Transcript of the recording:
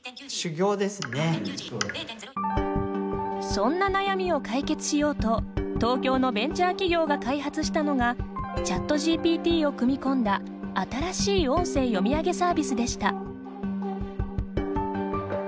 そんな悩みを解決しようと東京のベンチャー企業が開発したのがＣｈａｔＧＰＴを組み込んだ新しい音声読み上げサービスでした。